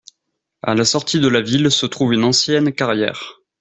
À la sortie de la ville se trouve une ancienne carrière